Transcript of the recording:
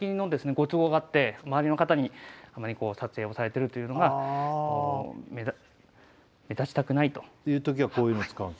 ご都合があって周りの方にあまり撮影をされてるというのが目立ちたくないと。という時はこういうのを使うんすか？